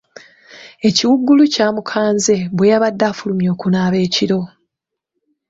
Ekiwuugulu kyamukanze bwe yabadde afulumye okunaaba ekiro.